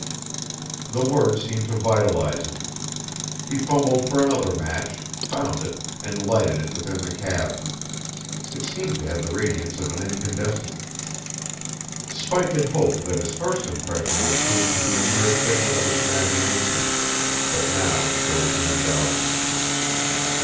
The words seemed to vitalize him. He fumbled for another match, found it, and lighted it within the cab. It seemed to have the radiance of an incandescent. Spike had hoped that his first impression would prove to be a mere figment of his imagination; but now there was no doubting.